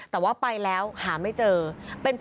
แต่ว่าไปแล้วหาไม่เจอ